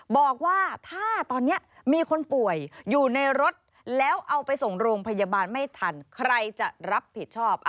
บอกว่าถ้าตอนนี้มีคนป่วยอยู่ในรถแล้วเอาไปส่งโรงพยาบาลไม่ทันใครจะรับผิดชอบ